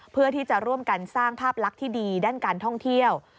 เพื่อที่จะร่วมกันสร้างภาพลักษณ์ที่ดีด้านการท่องเที่ยว